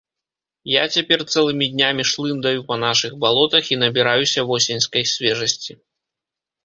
Я цяпер цэлымі днямі шлындаю па нашых балотах і набіраюся восеньскай свежасці.